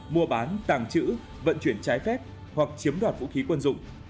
mua bán tàng trữ vận chuyển trái phép hoặc chiếm đoạt vũ khí quân dụng